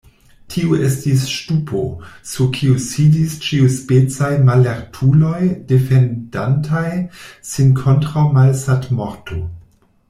Tio estis ŝtupo, sur kiu sidis ĉiuspecaj mallertuloj, defendantaj sin kontraŭ malsatmorto.